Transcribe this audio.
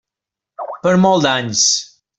Per molts anys!